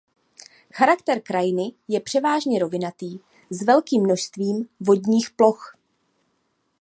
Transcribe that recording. Charakter krajiny je převážně rovinatý s velkým množstvím vodních ploch.